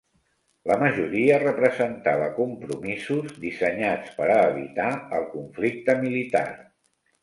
La majoria representava compromisos dissenyats per a evitar el conflicte militar.